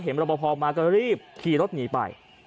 เห็นรบพอพอมาก็รีบขี่รถหนีไป